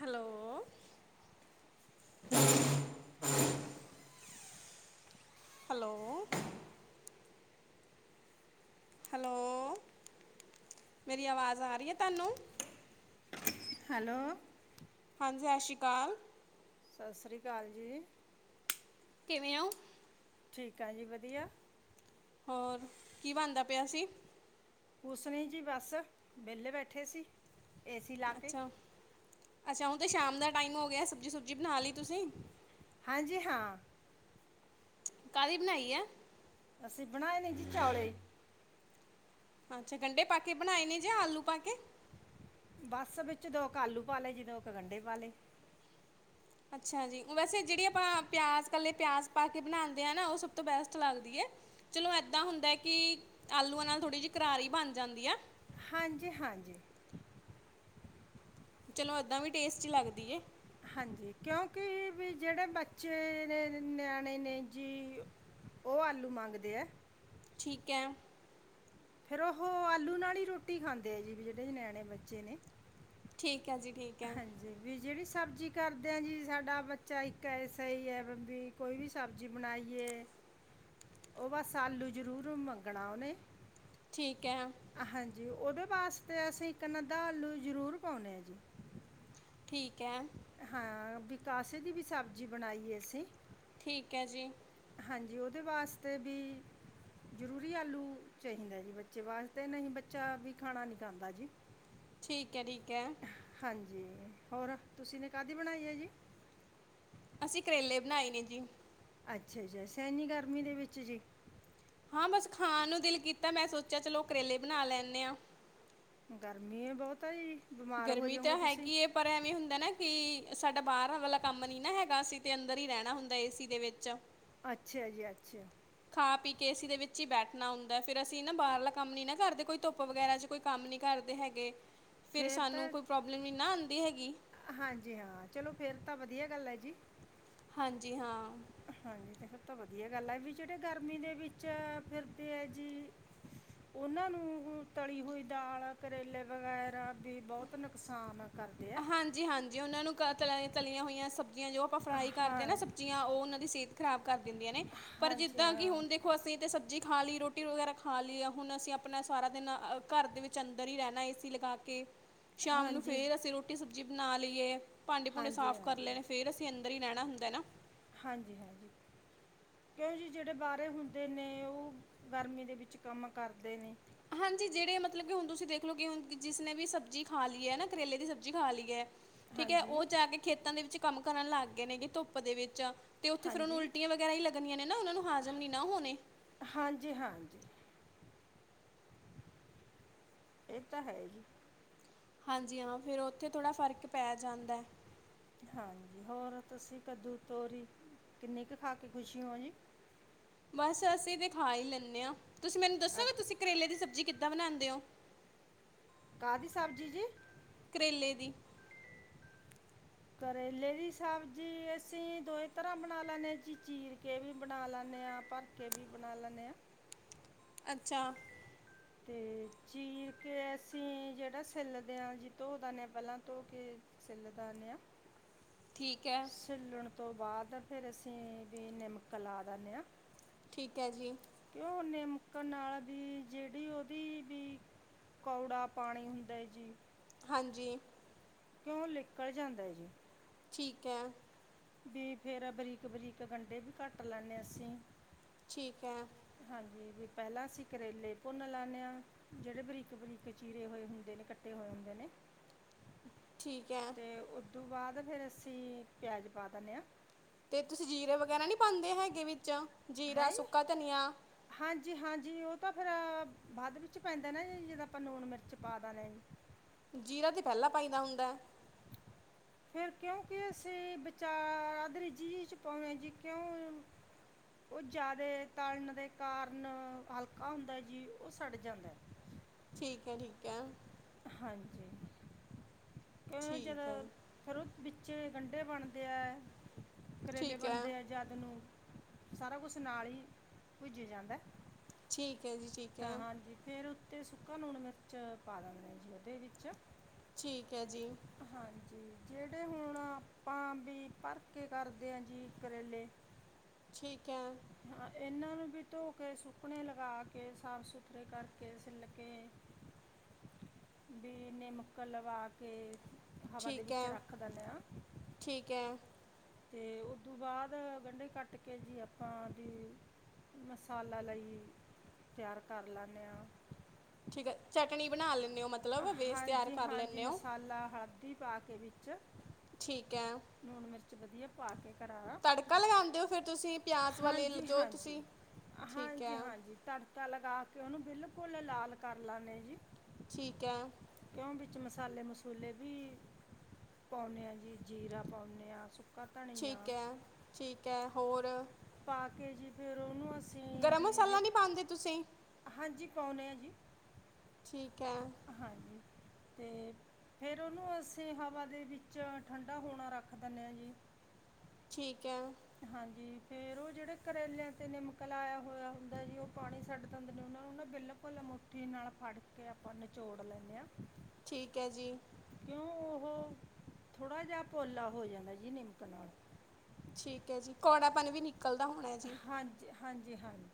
Hello. Hello. Hello, ਮੇਰੀ ਆਵਾਜ਼ ਆ ਰਹੀ ਹੈ ਤੁਹਾਨੂੰ। ਹੈਲੋ। ਹਾਂਜੀ, ਸਤਿ ਸ਼੍ਰੀ ਅਕਾਲ। ਸਤਿ ਸ੍ਰੀ ਅਕਾਲ ਜੀ। ਕਿਵੇਂ ਔ? ਠੀਕ ਆ ਜੀ ਵਧੀਆ। ਹੋਰ ਕੀ ਬਣਦਾ ਪਿਆ ਸੀ? ਕੁਛ ਨੀ ਜੀ ਬਸ ਵਿਹਲੇ ਬੈਠੇ ਸੀ ਏਸੀ ਲਾ ਕੇ। ਅੱਛਾ ਅੱਛਾ, ਹੁਣ ਤਾਂ ਸ਼ਾਮ ਦਾ ਟਾਈਮ ਹੋ ਗਿਆ ਸਬਜ਼ੀ-ਸੁਬਜ਼ੀ ਬਣਾ ਲਈ ਤੁਸੀਂ? ਹਾਂਜੀ ਹਾਂ। ਕਾਹਦੀ ਬਣਾਈ ਐ, ਅਸੀਂ ਬਣਾਏ ਨੇ ਜੀ ਚੌਲੇ। ਅੱਛਾ ਗੰਢੇ ਪਾ ਕੇ ਬਣਾਏ ਨੇ ਜੇ ਆਲੂ ਪਾ ਕੇ? ਬੱਸ ਵਿੱਚ ਦੋ ਕੁ ਆਲੂ ਪਾ ਲਏ, ਜੀ ਦੋ ਕੁ ਗੰਢੇ ਪਾ ਲੇ। ਅੱਛਾ ਜੀ, ਵੈਸੇ ਜਿਹੜੀ ਆਪਾਂ ਪਿਆਜ ਕੱਲੇ ਪਿਆਜ ਪਾ ਕੇ ਬਣਾਦੇ ਆ ਨਾ ਉਹ ਸਭ ਤੋਂ ਬੈਸਟ ਲੱਗਦੀ ਏ। ਚਲੋ ਏਦਾਂ ਹੁੰਦਾ ਕਿ ਆਲੂਆਂ ਨਾਲ ਥੋੜ੍ਹੀ ਜਿਹੀ ਕਰਾਰੀ ਬਣ ਜਾਂਦੀ ਐ। ਹਾਂਜੀ-ਹਾਂਜੀ। ਚਲੋ ਏਦਾਂ ਵੀ ਟੇਸਟੀ ਲੱਗਦੀ ਏ। ਹਾਂਜੀ, ਕਿਉਂਕਿ ਵੀ ਜਿਹੜੇ ਬੱਚੇ ਨੇ ਨਿਆਣੇ ਨੇ ਜੀ ਉਹ ਆਲੂ ਮੰਗਦੇ ਐ। ਠੀਕ ਹੈ। ਫੇਰ ਉਹ ਆਲੂ ਨਾਲ ਹੀ ਰੋਟੀ ਖਾਂਦੇ ਆ ਜੀ, ਵੀ ਜਿਹੜੇ ਨਿਆਣੇ ਬੱਚੇ ਨੇ। ਠੀਕ। ਹੈ ਜੀ ਠੀਕ ਹੈ ਹਾਂਜੀ ਵੀ ਜਿਹੜੀ ਸਬ ਸਬਜ਼ੀ ਕਰਦੇ ਹਾਂ ਜੀ ਸਾਡਾ ਬੱਚਾ ਇੱਕ ਐਸਾ ਈ ਏ ਵੀ ਕੋਈ ਵੀ ਸਬਜ਼ੀ ਬਣਾਈਏ ਉਹ ਬਸ ਆਲੂ ਜਰੂਰ ਮੰਗਣਾ ਉਹਨੇ, ਠੀਕ ਹੈ। ਜੀ ਉਹਦੇ ਵਾਸਤੇ ਅਸੀਂ ਇੱਕ ਨੰਦਾ ਆਲੂ ਜ਼ਰੂਰ ਪਾਨੇ ਆਂ ਜੀ। ਠੀਕ ਹੈ। ਹਾਂ ਵੀ ਕਾਸੇ ਦੀ ਵੀ ਸਬਜ਼ੀ ਬਣਾਈ ਏ ਅਸੀਂ ਠੀਕ ਹੈ ਜੀ, ਹਾਂਜੀ ਉਹਦੇ ਵਾਸਤੇ ਵੀ ਜ਼ਰੂਰੀ ਆਲੂ ਚਾਹੀਦਾ ਜੀ ਬੱਚੇ ਵਾਸਤੇ ਨਹੀਂ ਬੱਚਾ ਵੀ ਖਾਣਾ ਨੀ ਖਾਂਦਾ ਜੀ। ਠੀਕ ਹੈ-ਠੀਕ ਹੈ ਹਾਂਜੀ ਹੋਰ ਤੁਸੀਂ ਨੇ ਕਾਹਦੀ ਬਣਾਈ ਹੈ ਜੀ ਅਸੀਂ ਕਰੇਲੇ ਬਣਾਏ ਨੇ ਜੀ। ਅੱਛਾ-ਅੱਛਾ ਸਹਿਨੀ ਗਰਮੀ ਦੇ ਵਿੱਚ ਜੀ। ਹਾਂ ਬਸ ਖਾਣ ਨੂੰ ਦਿਲ ਕੀਤਾ ਮੈਂ ਸੋਚਿਆ ਚਲੋ ਕਰੇਲੇ ਬਣਾ ਲੈਂਦੇ ਆਂ। ਗਰਮੀ ਹੀ ਬਹੁਤਾ ਜੀ। ਬਿਮਾਰ ਹੋ ਗਰਮੀ ਤਾਂ ਜਾਓਗੇ ਤੁਸੀਂ ਹੈਗੀ ਹੈ ਪਰ ਐਵੇਂ ਹੁੰਦਾ ਨਾ ਕਿ ਸਾਡਾ ਬਾਹਰ ਵਾਲਾ ਕੰਮ ਨੀ ਨਾ ਹੈਗਾ ਅਸੀਂ ਤੇ ਅੰਦਰ ਹੀ ਰਹਿਣਾ ਹੁੰਦਾ ਏ ਸੀ ਦੇ ਵਿੱਚ। ਅੱਛਾ ਜੀ ਅੱਛਾ। ਖਾ ਪੀ ਕੇ ਅਂ ਦੇ ਵਿੱਚ ਹੀ ਬੈਠਣਾ ਹੁੰਦਾ ਫਿਰ ਅਸੀਂ ਨਾ ਬਾਹਰਲਾ ਕੰਮ ਨੀ ਨਾ ਕਰਦੇ ਕੋਈ ਧੁੱਪ ਵਗੈਰਾ ਚ ਕੋਈ ਕੰਮ ਨੀ ਕਾਰਦੇ ਹੈਗੇ। ਫਿਰ ਫਰ ਸਾਨੂੰ ਤਾਂ ਕੋਈ ਪ੍ਰੋਬਲਮ ਨਹੀਂ ਨਾ ਆਉਂਦੀ ਹੈਗੀ ਹਾਂਜੀ ਹਾਂ ਚਲੋ ਫੇਰ ਤਾਂ ਵਧ ਵਧੀਆ ਗੱਲ ਹੈ ਜੀ। ਹਾਂਜੀ ਹਾਂ। ਹਾਂਜੀ ਤੇ ਫਿਰ ਤਾਂ ਵਧੀਆ ਗੱਲ ਹੈ ਵੀ ਜਿਹੜੇ ਗਰਮੀ ਦੇ ਵਿੱਚ ਫਿਰਦੇ ਹੈ ਜੀ ਉਹਨਾਂ ਨੂੰ ਤਲੀ ਹੋਈ ਦਾਲ ਕਰੇਲੇ ਵਗੈਰਾ ਵੀ ਬਹੁਤ ਨੁਕਸਾਨ ਕਰਦੇ ਆ ਹਾਂਜੀ ਹਾਂਜੀ ਉਹਨਾਂ ਨੂੰ ਤਲੀਆਂ ਹੋਈਆਂ ਸਬ ਸਬਜ਼ੀਆਂ ਜੋ ਆਪਾਂ ਫਰਾਈ ਕਰਦੇ ਹਾਂ ਸਬਜ਼ੀਆਂ ਉਹਨਾਂ ਦੀ ਸਿਹਤ ਖਰਾਬ ਕਰ ਦਿੰਦੀਆਂ ਨੇ ਪਰ ਹਾਂਜੀ ਜਿੱਦਾਂ ਕਿ ਹਾਂ ਹੁਣ ਦੇਖੋ ਅਸੀਂ ਤੇ ਸਬਜ਼ੀ ਖਾ ਲਈ ਰੋਟੀ ਵਗੈਰਾ ਖਾ ਲਈ ਹੁਣ ਅਸੀਂ ਆਪਣਾ ਸਾਰਾ ਦਿਨ ਘਰ ਦੇ ਵਿੱਚ ਅੰਦਰ ਹੀ ਰਹਿਣਾ ਏ ਸੀ ਲਗਾ ਕੇ ਸ਼ਾਮ ਨੂੰ ਹਾਂਜੀ ਫੇਰ ਅਸੀਂ ਰੋਟੀ ਸਬਜ਼ੀ ਬਣਾ ਲਈਏ ਭਾਂਡੇ ਭੂੰਡੇ ਹਾਂਜੀ ਸਾਫ਼ ਕਰ ਹਾਂਜੀ ਲੈਣੇ ਫੇਰ ਅਸੀਂ ਅੰਦਰ ਹੀ ਰਹਿਣਾ ਹੁੰਦਾ ਨਾ। ਹਾਂਜੀ ਹਾਂਜੀ ਕਿਉਂ ਜਿ ਜਿਹੜੇ ਬਾਹਰੇ ਹੁੰਦੇ ਨੇ ਉਹ ਗਰਮੀ ਦੇ ਵਿੱਚ ਕੰਮ ਕਰਦੇ ਨੇ ਹਾਂਜੀ ਜਿਹੜੇ ਮਤਲਬ ਕਿ ਹੁਣ ਤੁਸੀਂ ਦੇਖ ਲਓ ਕਿ ਹੁ ਜਿਸਨੇ ਵੀ ਸਬਜ਼ੀ ਖਾ ਲਈ ਹੈ ਨਾ ਕਰੇਲੇ ਦੀ ਸਬਜ਼ੀ ਖਾ ਲਈ ਹੈ ਠੀਕ ਹੈ ਹਾਂਜੀ ਉਹ ਜਾ ਕੇ ਖੇਤਾਂ ਦੇ ਵਿੱਚ ਕੰਮ ਕਰਨ ਲੱਗ ਗਏ ਨੇਗੇ ਧੁੱਪ ਦੇ ਵਿੱਚ ਤੇ ਓਥੇ ਉਹਨ ਹਾਂਜੀ ਉਟ ਵਗੈਰਾ ਹੀ ਲੱਗੀਆਂ ਨੇ ਨਾ ਉਹਨਾ ਨੂੰ ਹਾਜ਼ਮ ਨੀ ਨਾ ਹੋਣੇ ਹਾਂਜੀ ਹਾਂਜੀ ਇਹ ਤਾਂ ਹੈ ਜੀ ਹਾਂਜੀ ਹਾਂ ਫੇਰ ਉੱਥੇ ਥੋੜ੍ਹਾ ਫ਼ਰਕ ਪੈ ਜਾਂਦਾ ਹਾਂਜੀ ਹੋਰ ਤੁਸੀਂ ਕੱਦੂ ਤੋਰੀ ਕਿੰਨੀ ਕੁ ਖਾ ਕੇ ਖ਼ੁਸ਼ੀ ਹੋ ਜੀ ਬਸ ਅਸੀਂ ਤਾਂ ਖਾ ਹੀ ਲੈਂਦੇ ਹਾਂ ਤੁਸੀਂ ਮੈਨੂੰ ਅ, ਦੱਸੋਗੇ ਤੁਸੀਂ ਕਰੇਲੇ ਦੀ ਸਬਜ਼ੀ ਕਿੱ ਕਿੱਦਾਂ ਬਣਾਉਂਦੇ ਹੋ ਕਾਹਦੀ ਸਬਜ਼ੀ ਜੀ ਕਰੇਲੇ ਦੀ ਕਰੇਲੇ ਦੀ ਸਬਜ਼ੀ ਅਸੀਂ ਦੋ ਤਰ੍ਹਾਂ ਬਣਾ ਲੈਦੇ ਜੀ ਚੀਰ ਕੇ ਵੀ ਬਣਾ ਲੈਦੇ ਭਰ ਕੇ ਵੀ ਬਣਾ ਲੈਦੇ ਹਾਂ [inaudible] ਅੱਛਾ ਤੇ ਚੀ ਕੇ ਅਸੀਂ ਜਿਹੜਾ ਸ਼ਹੇਲਦੇ ਹਾਂ ਜੀ ਧੋ ਦ ਨੇ ਪਹਿਲਾਂ ਧੋ ਕੇ ਚੱਲਦਾਨਿਆ ਠੀਕ ਹੈ ਉਸ ਤੋਂ ਬਾਅਦ ਫਿਰ ਅਸੀਂ ਵੀ ਨਮਕ ਲਾ ਦਿੰਦੇ ਹਾਂ ਠੀਕ ਹੈ ਜੀ ਕਿਉਂ ਉਹਨੇ ਮੁੱਕਣ ਨਾਲ ਵੀ ਜਿਹੜੀ ਉਹਦੀ ਵੀ ਕੌੜਾ ਪਾਣੀ ਹੁੰਦਾ ਜੀ ਹਾਂਜੀ ਕਿਉਂ ਨਿਕਲ ਜਾਂਦਾ ਜੀ ਠੀਕ ਹੈ ਬ ਫੇਰ ਬਰੀਕ ਬਰੀਕ ਗੰਡੇ ਵੀ ਕੱਟ ਲੈਣੇ ਅਸੀਂ ਠੀਕ ਹੈ ਹਾਂਜੀ ਵੀ ਪਹਿਲਾਂ ਅਸੀਂ ਕਰੇਲੇ ਭੁੰਨ ਲਾਦੇ ਹਾਂ ਜਿਹੜੇ ਬਰੀਕ ਬਰੀਕ ਚੀਰੇ ਹੋਏ ਹੁੰਦੇ ਇਕੱਠੇ ਹੋਏ ਹੁੰਦੇ ਨੇ। ਠੀਕ ਐ। ਤੋਂ ਬਾਅਦ ਫੇਰ ਅਸੀਂ ਪਿਆਜ ਪਾ ਦੇਣੇ ਆਂ। ਤੇ ਤੁਸੀਂ ਜੀਰੇ ਵਗੈਰਾ ਨੀ ਪਾਂਦੇ ਹੈਗੇ ਵਿੱਚ ਜੀਰਾ, ਸੁੱਕਾ ਧਨੀਆ, ਜ ਹਾਂਜੀ ਉਹ ਤਾਂ ਫੇਰ ਬਾਅਦ ਵਿੱਚ ਪੈਂਦਾ ਨਾ ਜੀ ਜਦਾਂ ਆਪਾਂ ਲੂਣ, ਮਿਰਚ ਪਾ ਦੇਣਾ ਜੀ। ਜੀਰਾ ਤੇ ਪਹਿਲਾ ਪਾਈਂਦਾ ਹੁੰਦੈ। ਫੇਰ ਕਿਉਂਕਿ ਅਸੀਂ ਵਿਚਾਰ ਆਧਰੀ ਜੀ ਚ ਪਾਉਣੇ ਜੀ ਕਿਉਂ ਉਹ ਜਿਆਦਾ ਤਲਣ ਦੇ ਕਾਰਨ ਹਲਕਾ ਹੁੰਦਾ ਜੀ ਉਹ ਸੜ ਜਾਂਦੈ। ਠੀਕ ਐ ਠੀਕ ਐ। ਹਾਂਜੀ, ਕਿਉ ਠੀਕ ਜਦੋਂ ਹੈ ਫਿਰ ਓ ਵਿੱਚੇ ਕੰੰਢੇ ਬਣਦੇ ਐ, ਕਰੇਲੇ ਠੀਕ ਹੈ ਬਣਦੇ ਐ, ਜਦ ਨੂੰ ਸਾਰਾ ਕੁਛ ਨਾਲ ਹੀ ਪੁੱਜ ਜਾਂਦਾ। ਠੀਕ। ਹੈ ਜੀ ਠੀਕ ਤਾਂ ਹੈ ਹਾਂਜੀ ਫੇਰ ਉੱਤੇ ਸੁੱਕਾ ਲੂਣ, ਮਿਰਚ ਪਾ ਦਾਣੇ ਆਂ ਜੀ ਉਹਦੇ ਵਿੱਚ ਠੀਕ ਐ ਜੀ। ਹਾਂਜੀ ਜਿਹੜੇ ਹੁਣ ਆਪਾਂ ਵੀ ਭਰ ਕੇ ਕਰਦੇ ਆ ਜੀ ਕਰੇਲੇ [unintelligible] ਇਹਨਾਂ ਨੂੰ ਵੀ ਧੋ ਕੇ ਸੁੱਕਨ ਲਗਾ ਕੇ, ਸਾਫ਼ ਸੁਥਰੇ ਕਰਕੇ, ਸਿਲ ਕੇ ਹ ਬੀ ਨਿਮਕ ਲਵਾ ਕੇ ਹਵਾ ਦੇ ਠੀਕ ਵਿੱਚ ਹੈ ਰੱਖ ਦਿੰਦੇ ਹਾਂ। ਠੀਕ ਹੈ ਤੇ ਉਦੋਂ ਬਾਅਦ ਗੰਢੇ ਕੱਟ ਕੇ ਜੀ ਆਪ ਆਪਾਂ ਵੀ ਮਸਾਲਾ ਲਈ ਤਿਆਰ ਕਰ ਲਾਣੇ ਹਾਂ। ਠੀਕ ਹੈ ਚਟਣੀ ਬਣਾ ਲੈਂਦੇ ਹੋ ਮਤਲਬ ਬੇਸ ਤਿਆਰ ਹਾਂਜੀ, ਕਰ ਹਾਂਜੀ, ਲੈਂਦੇ ਹੋ ਮਸਾਲਾ ਹਲਦੀ ਪਾ ਕੇ ਵਿੱਚ ਠੀਕ ਐ। ਚ ਵਧੀਆ ਪਾ ਕੇ। ਕਰਾਂ ਤੜਕਾ ਲਗਾਦੇ ਹੋ ਫਿਰ ਤੁਸੀਂ ਪਿਆਸ ਵਾਲੇ ਹਾਂਜੀ ਜੋ ਹਾਂਜੀ ਤੁਸੀਂ, ਠੀਕ ਐ। ਹਾਂਜੀ ਹਾਂਜੀ ਤੜਕਾ ਲਗਾ ਕੇ ਉਹਨੂੰ ਬਿਲਕੁਲ ਲਾਲ ਕਰ ਲਾਂਣੇ ਜੀ। ਠੀਕ ਐ। ਕਿਉਂ ਵਿੱਚ ਮਸਾਲੇ ਮਸੂਲੇ ਵੀ ਪਾਉਣੇ ਆ ਜੀ, ਜੀਰਾ ਪਾਉਂਣੇ ਹਾਂ ਸੁ ਠੀਕ ਐ, ਠੀਕ ਐ, ਹੋਰ ਪਾ ਕੇ ਜੀ ਫੇਰ ਉਹਨੂੰ ਅਸੀਂ ਗਰਮ ਵੀ ਮਸਾਲਾ ਨੀ ਪਾਂਦੇ ਤੁਸੀਂ ਪਾਉਣੇ ਆ ਜੀ। ਠੀਕ ਹੈ ਹਾਂਜੀ, ਤੇ ਫੇਰ ਉਹਨੂੰ ਅਸੀਂ ਹਵਾ ਦੇ ਵਿੱਚ ਠੰਢਾ ਹੋਣਾ ਰੱਖ ਦਿੰਦੇ ਹਾਂ ਜੀ। ਠੀਕ ਐ। ਹਾਂਜੀ, ਫੇਰ ਉਹ ਜਿਹੜੇ ਕਰੇਲਿਆਂ ਤੇ ਨਿਮਕ ਲਾਇਆ ਹੋਇਆ ਹੁੰਦਾ ਜੀ ਉਹ ਪਾਣੀ ਛੱਡ ਦਿੰਦੇ ਨੇ। ਉਹਨਾਂ ਨੂੰ ਨਾ ਬਿਲਕੁਲ ਮੁੱਠੀ ਨਾਲ ਫੜ ਕੇ ਆਪਾਂ ਨਿਚੋੜ ਲੈਂਣੇ ਆਂ। ਠੀਕ ਐ ਜੀ। ਕਿਉਂ ਉਹ ਥੋੜ੍ਹਾ ਜਿਹਾ ਪੋਲਾ ਹੋ ਜਾਂਦਾ ਜੀ ਨਿਮਕ ਨਾਲ। ਠੀਕ ਐ ਜੀ, ਕੌੜਾਪਨ ਵੀ ਨਿਕਲਦਾ ਹੋਣਾ ਜੀ। ਹਾਂਜੀ ਹਾਂਜੀ, ਹਾਂਜੀ।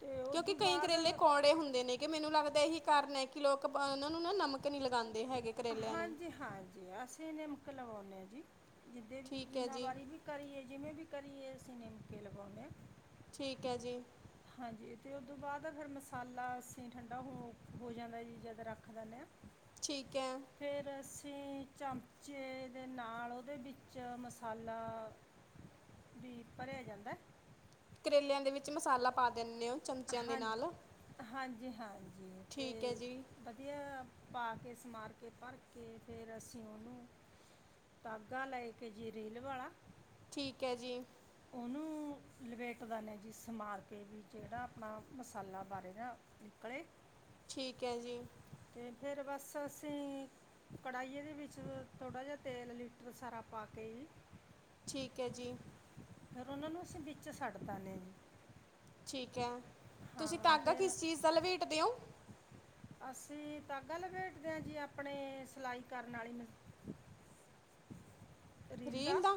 ਤੇ ਉਸ ਕਿਉਂਕਿ ਤੋਂ ਕਈ ਕਰੇਲੇ ਬਾਅਦ ਕੌੜੇ ਹੁੰਦੇ ਨੇ ਕਿ ਮੈਨੂੰ ਲੱਗਦਾ ਇਹੀ ਕਾਰਨ ਹੈ ਕਿ ਲੋਕ ਉਹ ਨੂੰ ਨਾ ਨਮਕ ਨੀ ਲਗਾ ਹਾਂਜੀ, ਹਾਂਜੀ, ਅਸੀਂ ਨਿਮਕ ਲਵਾਉਂਨੇ ਆਂ ਜੀ। ਜਿੱਦ ਠੀਕ ਹੈ ਜਿੰਨਾ ਜੀ ਵਾਰੀ ਵੀ ਕਰੀਏ ਜਿਵੇਂ ਵੀ ਕਰੀਏ ਅਸੀਂ ਨਿਮਕੇ ਲਵਾਉਂਦੇ ਠੀਕ ਹੈ ਜੀ ਹਾਂਜੀ ਅਤੇ ਉਹ ਤੋਂ ਬਾਅਦ ਫਿਰ ਮਸਾਲਾ ਅਸੀਂ ਠੰਡਾ ਹੋ ਹੋ ਜਾਂਦਾ ਜੀ ਜਦ ਰੱਖ ਦਿੰਦੇ ਹਾਂ ਠੀਕ ਹੈ ਫੇਰ ਅ ਅਸੀਂ ਚਮਚੇ ਦੇ ਨਾਲ ਉਹਦੇ ਵਿੱਚ ਮਸਾਲਾ ਵੀ ਭਰਿਆ ਜਾਂਦਾ ਕਰੇਲਿਆਂ ਦੇ ਵਿੱਚ ਮਸਾਲਾ ਪਾ ਦੀਨੇ ਹੋ ਚਮਚਿਆਂ ਦੇ ਨਾਲ ਜੀ ਹਾਂਜੀ ਠੀਕ ਹੈ ਅਤੇ ਜੀ ਵਧੀਆ ਪਾ ਕੇ ਸਮਾਨ ਕੇ ਭਰ ਕੇ ਫੇਰ ਅਸੀਂ ਉਹਨੂੰ ਧਾਗਾ ਲੈ ਕੇ ਜੀ ਰੇਲ ਵਾਲਾ ਠੀਕ ਹੈ ਜੀ [inaudible] ਲਵੇਟਦਾਨ ਜੀ ਸਮਾਰ ਕੇ ਵੀ ਜਿਹੜਾ ਆਪਣਾ ਮਸਾਲਾ ਬਾਰੇ ਦਾ ਨਿਕਲੇ ਠੀਕ ਹੈ ਜੀ ਤੇ ਫਿਰ ਬਸ ਅਸੀਂ ਕੜਾਹੀਏ ਦੇ ਵਿੱਚ ਥੋੜ੍ਹਾ ਜਿਹਾ ਤੇਲ ਲੀਟਰ ਸਾਰਾ ਪਾ ਕੇ ਜੀ ਠੀਕ ਹੈ ਜੀ ਫਿਰ ਉਹਨਾਂ ਨੂੰ ਅਸੀਂ ਵਿੱਚ ਛੱਡ ਦਦੇ ਜੀ ਠੀਕ ਹੈ ਤੁਸੀਂ ਹਾਂ ਤਾਗਾ ਫਿਰ ਕਿਸ ਚੀਜ਼ ਦਾ ਲਵੇੇਟ ਦਿਓ ਅਸੀਂ ਤਾਂਗਾ ਲਬੇਟਦੇ ਹਾਂ ਜੀ ਆਪਣੇ ਸਿਲਾਈ ਕਰਨ ਵਾਲੀ ਨੂੰ ਰੀਲ ਦਾ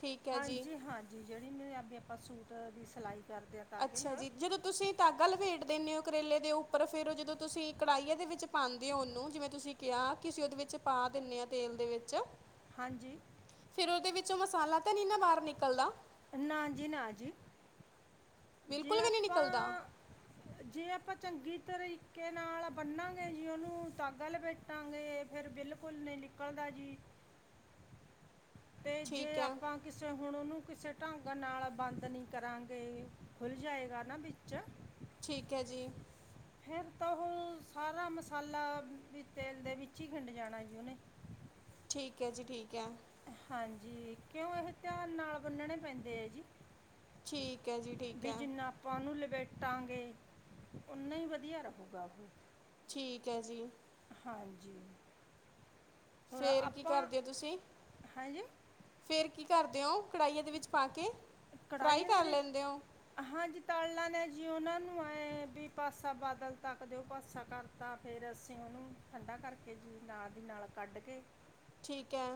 ਠੀਕ ਹੈ ਜੀ ਹਾਂਜੀ ਹਾਂਜੀ ਜਿਹੜੀ ਮੇਰੇ ਆਪ ਆਪਾਂ ਸੂਟ ਦੀ ਸਿਲਾਈ ਕਰਦੇ ਆ ਤਾਗੇ ਅੱਛਾ ਨਾਲ ਜੀ ਜਦੋਂ ਤੁਸੀਂ ਧਾਗਾ ਲਵੇੇੜ ਦਿੰਦੇ ਹੋ ਕਰੇਲੇ ਦੇ ਉੱਪਰ ਫੇਰ ਜਦੋਂ ਤੁਸੀਂ ਕੜਾਹੀਆਂ ਦੇ ਵਿੱਚ ਪਾਉਂਦੇ ਹੋ ਉਹਨੂੰ ਜਿਵੇਂ ਤੁਸੀਂ ਕਿਹਾ ਕਿਂ ਉਹਦੇ ਵਿੱਚ ਪਾ ਦਿੰਦੇ ਹਾਂ ਤੇਲ ਦੇ ਵਿੱਚ ਹਾਂਜੀ ਫਿਰ ਉਹਦੇ ਵਿੱਚੋਂ ਮਸਾਲਾ ਤਾਂ ਨਹੀਂੀ ਨਾ ਬਾਹਰ ਨਿਕਲਦਾ ਨਾ ਜੀ ਨਾ ਜੀ ਜੇ ਬਿਲਕੁਲ ਵੀ ਨਹੀਂ ਆਪਾਂ ਨਿਕਲਦਾ ਜੇ ਆਪਾਂ ਚੰਗੀ ਤਰੀਕੇ ਨਾਲ ਬੰਨਾਂਗੇ ਜੀ ਉਹਨੂੰ ਤਾਂਗ ਲਪੇਟਾਂਗੇ ਫੇਿਰ ਬਿਲਕੁਲ ਨਹੀਂ ਨਿਕਲਦਾ ਜੀ [inaudible] ਤੇ ਜੇ ਠੀਕ ਹੈ ਆਪਾਂ ਕਿਸੇ ਹੁਣ ਉਹਨੂੰ ਕਿਸੇ ਢੰਗ ਨਾਲ ਬੰਦ ਨਹੀਂ ਕਰਾਂਗੇ ਖੁੱਲ ਜਾਏਗਾ ਨਾ ਵਿੱਚ ਠੀਕ ਹੈ ਜੀ ਫੇਰ ਤਾਂ ਉਹ ਸਾਰਾ ਮਸਾਲਾ ਵੀ ਤੇਲ ਦੇ ਵਿੱਚ ਹੀ ਖਿੰਡ ਜਾਣਾ ਜੀ ਉਹਹਨੇ ਠੀਕ ਹੈ ਜੀ ਠੀਕ ਹੈ ਹਾਂਜੀ ਕਿਉਂ ਇਹ ਧਿਆਨ ਨਾਲ ਬੰਨਣੇ ਪੈਂਦੇ ਹੈ ਜੀ ਠੀਕ ਹੈ ਜੀ ਠੀਕ ਵੀ ਹੈ ਜਿੰਨਾ ਆਪਾਂ ਉਹਨੂੰ ਲ ਬੈਟਾਂਗੇ ਨਾ ਹੀ ਵਧੀਆ ਰਹੇਗਾ ਉਹ ਠੀਕ ਹੈ ਜੀ ਹਾਂਜੀ ਹੋਰ ਫੇਰ ਕੀ ਆਪਾਂ ਕਰਦੇ ਹੋ ਤੁਸੀਂ ਹਾਂਜੀ ਫੇਰ ਕੀ ਕਰਦੇ ਹੋ ਕੜਾਹੀਆਂ ਦੇ ਵਿੱਚ ਪਾ ਕੇ ਫਰਾਈ ਕੜਾਹੀ ਦੇ ਕਰ ਵਿੱਚ ਲੈਂਦੇ ਹੋ ਹਾਂਜੀ ਤਲਣਾ [inaudible] ਨੇ ਜੀ ਉਹਨਾਂ ਨੂੰ ਐ ਵੀ ਪਾਸਾ ਬਾਦਲ ਤੱਕ ਦਿਓ ਪਾਸਾ ਕਰਤਾ ਫੇਰ ਅਸੀਂ ਉਹਨੂੰ ਠੰਢਾ ਕਰਕੇ ਜੀ ਨਾਲ ਦੀ ਨਾਲ ਕੱਢ ਕੇ ਠੀਕ ਹੈ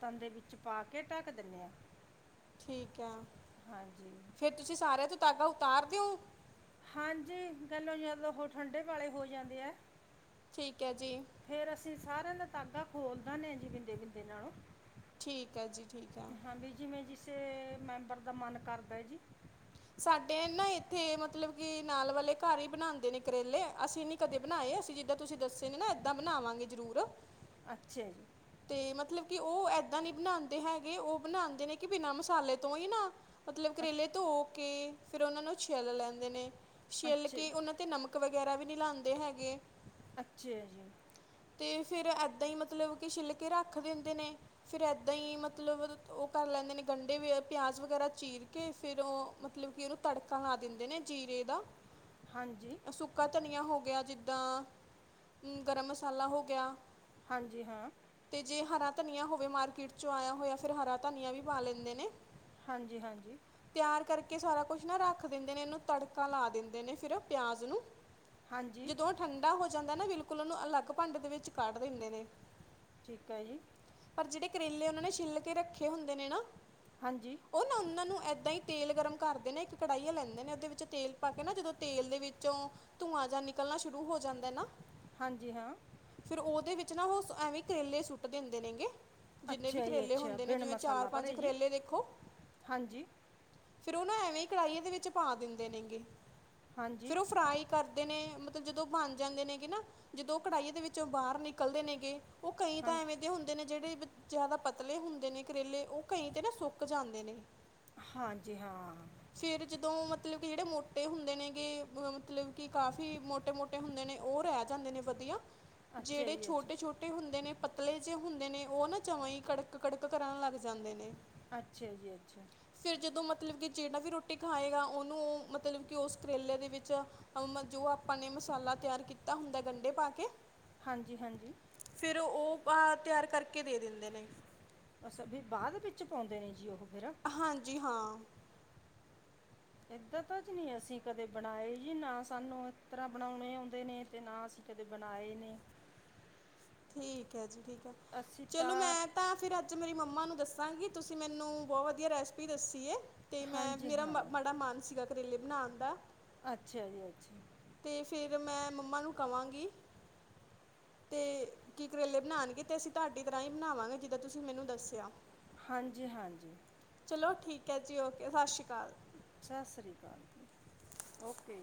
ਤੰਦੇ ਵਿੱਚ ਪਾ ਕੇ ਢੱਕ ਦਿੰਦੇ ਆਾਂ ਠੀਕ ਹੈ ਹਾਂਜੀ ਫੇਰ ਤੁਸੀਂ ਸਾਰਿਆਂ ਤੋਂ ਧਾਗਾ ਉਤਾਰ ਦੇ ਓ ਹਾਂਜੀ ਕਹਿਲੋ ਜਦ ਉਹ ਠੰਡੇ ਭਾਲ਼ੇ ਹੋ ਜਾਂਦੇ ਹੈ ਠੀਕ ਹੈ ਜੀ। ਸਾਰਾ ਦਾ ਧਾਗਾ ਖੋਲਦਾ ਨੇ ਬਿੰਦੇ ਬਿੰਦੇ ਨਾਲੋ। ਠੀਕ ਹੈ ਜੀ ਠੀਕ ਹੈ। ਕਿਸੇ ਮੈਂਬਰ ਦਾ ਮਨ ਕਰਦਾ ਹੈ ਜੀ। ਸਾਡੇ ਨਾ ਇੱਥੇ ਮਤਲਬ ਕਿ ਨਾਲ ਵਾਲੇ ਘਰ ਹੀ ਬਣਾਂਦੇ ਨੇ ਕਰੇਲੇ ਅਸੀਂ ਨੀ ਕਦੇ ਬਣਾਏ। ਅਸੀਂ ਜਿੱਦਾਂ ਤੁਸੀਂ ਦੱਸੇ ਨੇ ਨਾ ਏਦਾਂ ਬਣਾਵਾਂਗੇ ਜ਼ਰੂਰ। ਅੱਛਾ ਜੀ। ਤੇ ਮਤਲਬ ਕਿ ਉਹ ਏਦਾਂ ਨੀ ਬਣਾਂਦੇ ਹੈਗੇ ਉਹ ਬਣਾਂਦੇ ਨੇ ਕਿ ਬਿਨਾਂ ਮਸਾਲੇ ਤੋਂ ਹੀ ਨਾ। ਮਤਲਬ ਕਰੇਲੇ ਧੋ ਕੇ ਫਿਰ ਉਹਨਾਂ ਨੂੰ ਛਿੱਲ ਲੈਂਦੇ ਨੇ ਛਿੱਲ ਅੱਛਾ ਕੇ ਉਹਨਾਂ 'ਤੇ ਨਮਕ। ਵਗੈਰਾ ਵੀ ਨੀ ਲਾਂਦੇ ਹੈਗੇ। ਅੱਛੇ ਹੈ ਜੀ। ਤੇ ਫਿਰ ਇੱਦਾਂ ਹੀ ਮਤਲਬ ਕਿ ਸ਼ਿਲ- ਰੱਖ ਦਿੰਦੇ ਨੇ ਫਿਰ ਏਦਾਂ ਹੀ ਮਤਲਬ ਉਹ ਕਰ ਲੈਂਦੇ ਨੇ ਗੰਢੇ ਪਿਆਜ਼ ਵਗੈਰਾ ਚੀਰ। ਫੇਰ ਉਹ ਮਤਲਬ ਕਿ ਉਹਨੂੰ ਤੜਕਾ ਲਾ ਦਿੰਦੇ ਨੇ ਜੀਰੇ ਦਾ। ਹਾਂਜੀ। ਸੁੱਕਾ ਧਨੀਆ ਹੋ ਗਿਆ ਜਿੱਦਾਂ ਗਰਮ ਮਸਾਲਾ ਹੋ ਗਿਆ। ਹਾਂਜੀ ਹਾਂ। ਤੇ ਜੇ ਹਰਾ ਧਨੀਆ ਹੋਵੇ ਮਾਰਕੀਟ ਚ ਆਇਆ ਹੋਇਆ ਫਿਰ ਹਰਾ ਧਨੀਆ ਵੀ ਪਾ ਲੈਂਦੇ ਨੇ। ਹਾਂਜੀ ਹਾਂਜੀ ਏ ਸਾਰਾ ਕੁਛ ਨਾ ਰੱਖ ਦਿੰਦੇ ਨੇ ਇਹਨੂੰ ਤੜਕਾ ਲਾ ਦਿੰਦੇ ਨੇ ਫਿਰ ਪਿਆਜ਼ ਨੂੰ ਹਾਂਜੀ ਜਦੋਂ ਉਹ ਠੰਡਾ ਹੋ ਜਾਂਦਾ ਨਾ ਬਿਲਕੁਲ ਉਹਨੂੰ ਅਲੱਗ ਭੰਡੇ ਦੇ ਵਿੱਚ ਕੱਢ ਦਿੰਦੇ ਨੇ [inaudible] ਜੇੜੇ ਕਰੇਲੇ ਉਹਨਾਂ ਨੇ ਛਿੱਲ ਕੇ ਰੱਖੇ ਹੁੰਦੇ ਨੇ ਨਾ। ਹਾਂਜੀ ਉਹ ਨਾ ਉਹਨਾਂ ਨੂੰ ਏਦਾਂ ਹੀ ਤੇਲ ਗਰਮ ਕਰ। [unintelligible] ਕੜਾਹੀਆ ਲੈਂਦੇ ਨੇ ਉਹਦੇ ਵਿੱਚ ਤੇਲ ਪਾ ਕੇ ਨਾ ਜਦੋਂ ਤੇਲ ਦੇ ਵਿੱਚੋਂ ਧੂੰਆਂ ਜਾਂ ਨਿਕਲਣਾ ਸ਼ੁਰੂ ਹੋ ਜਾਂਦਾ ਨਾ। ਹਾਂਜੀ ਹਾਂ। ਫਿਰ ਉਹਦੇ ਵਿੱਚ ਨਾ ਉਹ ਐਵੇਂ ਕਰੇਲੇ ਸੁੱਟ ਦਿੰਦੇ ਨੇ ਗੇ। ਜਿੰਨੇ ਵੀ ਅੱਛਾ ਜੀ ਕਰੇਲੇ ਅੱਛਾ ਹੁੰਦੇ ਨੇ ਬਿਨ ਜਿਵੇਂ ਚਾਰ ਮਸਾਲਾ ਪੰਜ ਭਰੇ ਜੀ ਕਰੇਲੇ ਦੇਖੋ। ਹਾਂਜੀ ਫਿਰ ਉਹ ਨਾ ਐਵੇਂ ਕੜਾਹੀ ਦੇ ਵਿੱਚ ਪਾ ਦਿੰਦੇ ਨੇਗੇ ਹਾਂਜੀ ਫਿਰ ਉਹ ਫਰਾਈ ਕਰਦੇ ਨੇ। ਜਦੋਂ ਬਣ ਜਾਂਦੇ ਨੇਗੇ ਨਾ ਜਦੋਂ ਉਹ ਕੜਾਹੀ ਦੇ ਵਿੱਚੋਂ ਬਾਹਰ ਨਿਕਲਦੇ ਨੇਗੇ। ਉਹ ਕਈ ਹਾਂ ਤਾਂ ਐਵੇਂ ਦੇ ਹੁੰਦੇ ਨੇ ਜਿਹੜੇ। ਜ਼ਿਆਦਾ ਪਤਲੇ ਹੁੰਦੇ ਨੇ ਕਰੇਲੇ ਉਹ ਕਈ ਤੇ ਨਾ ਸੁੱਕ ਜਾਂਦੇ ਨੇ। ਹਾਂਜੀ ਹਾਂ ਫੇਰ ਜਦੋਂ ਮਤਲਬ ਕਿ ਜੇੜੇ [unintelligible] ਹੁੰਦੇ ਨੇ ਗਏ ਮਤਲਬ ਕਿ ਕਾਫੀ ਮੋਟੇ ਮੋਟੇ ਹੁੰਦੇ ਨੇ ਉਹ ਰਹਿ ਜਾਂਦੇ ਨੇ ਵਧੀਆ। ਅੱਛਾ ਜਿਹੜੇ ਜੀ ਅੱਛਾ ਛੋਟੇ ਛੋਟੇ ਹੁੰਦੇ ਨੇ ਪਤਲੇ ਜੇ ਹੁੰਦੇ ਨੇ ਉਹ ਨਾ ਜਵਾਂ ਹੀ ਕੜਕ ਕੜਕ ਕਰਨ ਲੱਗ ਜਾਂਦੇ ਨੇ। ਅੱਛਾ ਜੀ ਅੱਛਾ। ਫਿਰ ਜਦੋਂ ਮਤਲਬ ਕਿ ਜੇਹੜਾ ਵੀ ਰੋਟੀ ਖਾਏਗਾ ਉਹਨੂੰ ਮਤਲਬ ਕਿ ਉਸ ਕਰੇਲੇ ਦੇ ਵਿੱਚ ਅ ਜੋ ਆਪਾਂ ਨੇ। ਮਸਾਲਾ ਤਿਆਰ ਕੀਤਾ ਹੁੰਦਾ ਗੰਡੇ ਪਾ ਕੇ। ਹਾਂਜੀ--ਹਾਂਜੀ ਫਿਰ ਉਹ ਬਾਹਰ ਤਿਆਰ ਕਰਕੇ ਦੇ ਦਿੰਦੇ ਨੇ। ਬਾਅਦ ਵਿੱਚ ਪਾਉਂਦੇ ਨੇ ਜੀ ਉਹ। ਫਿਰ ਹਾਂਜੀ ਹਾਂ। ਏਦਾਂ ਤਾਂ ਨੀ ਅਸੀਂ ਕਦੇ ਬਣਾਏ ਜੀ ਨਾ ਸਾਨੂੰ ਇਸ ਤਰ੍ਹਾਂ ਬਣਾਉਣੇ ਆਉਂਦੇ ਨੇ ਤੇ ਨਾ ਅਸੀਂ ਕਦੇ ਬਣਾਏ ਨੇ। ਠੀਕ ਹੈ ਜੀ ਠੀਕ ਹੈ ਚਲੋ ਮੈਂ ਤਾਂ ਫੇਰ ਅੱਜ ਮੇਰੀ ਮੰਮਾ ਨੂੰ ਦੱਸ ਦੱਸਾਂਗੀ ਤੁਸੀਂ ਮੈਨੂੰ ਬਹੁਤ ਵਧੀਆ ਰੈਸਪੀ ਦੱਸੀ ਏ ਤੇ ਮੈਂ ਹਾਂਜੀ ਮੇਰਾ ਹਾਂ ਬੜਾ ਮਨ ਸੀਗਾ। ਕਰੇਲੇ ਬਣਾਉਣ ਦਾ, ਅੱਛਾ ਜੀ ਅੱਛਾ। ਤੇ ਫਿਰ ਮੈਂ ਮੰਮਾ ਨੂੰ ਕਵਾਂਗੀ। ਤੇ ਕੀ ਕਰੇਲੇ ਬਣਾਉਣਗੇ ਤੇ ਅਸੀਂ ਤੁਹਾਡੀ ਤਰ੍ਹਾਂ ਹੀ ਬਣਾਵਾਂਗੇ ਜਿੱਦਾਂ ਤੁਸੀਂ ਮੈਨੂੰ ਦੱਸਿਆ। ਹਾਂਜੀ ਹਾਂਜੀ। ਚਲੋ ਠੀਕ ਹੈ ਜੀ ਓਕੇ ਸਤਿ ਸ਼੍ਰੀ ਅਕਾਲ। ਸਤਿ ਸ਼੍ਰੀ ਅਕਾਲ ਓਕੇ।